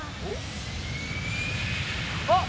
あっ！